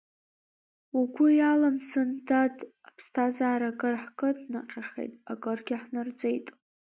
Угәы иалымсын, дад, аԥсҭазаара акыр ҳкыднаҟьахьеит, акыргьы ҳнарҵеит.